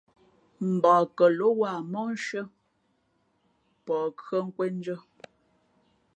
Mbak kάló wāha móhshʉ̄ᾱ pαh khʉᾱ nkwēn ndʉ̄ᾱ.